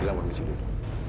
gilang berdiri dulu